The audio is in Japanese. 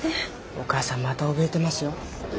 お母さんまたおびえてますよ。